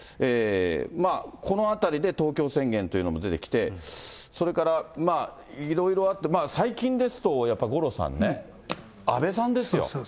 まあこのあたりで東京宣言というのも出てきて、それからまあ、いろいろあって、最近ですとやっぱり、五郎さんね、安倍さんですよ。